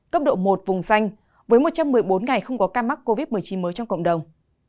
cấp độ một vùng xanh với một trăm một mươi bốn ngày không có ca mắc covid một mươi chín mới trong cộng đồng